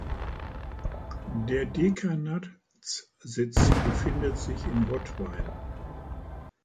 Der Dekanatssitz befindet sich in Rottweil.